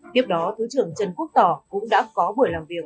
tiếp đó thứ trưởng trần quốc tỏ cũng đã có buổi làm việc